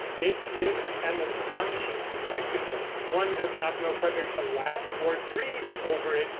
It is an astonishing spectacle; one does not know whether to laugh or grieve over it.